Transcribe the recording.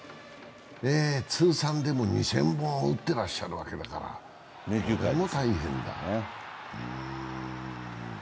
通算でも２０００本打ってらっしゃるからこれも大変だ。